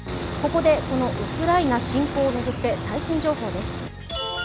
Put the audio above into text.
ここでウクライナ侵攻を巡って最新情報です。